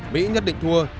mỹ nhất định thua